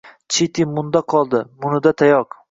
Chiti munda qoldi, munida — tayoq.